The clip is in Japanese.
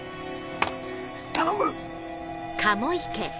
頼む！